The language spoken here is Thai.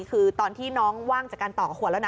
คือตอนที่น้องว่างจากการต่อกับขวดแล้วนะ